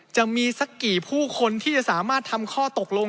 จะมีสักกี่ผู้คนที่จะสามารถทำข้อตกลง